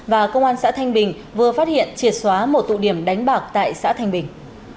và công an xã thanh bình vừa phát hiện triệt xóa một tụ điểm đánh bạc tại xã thanh bình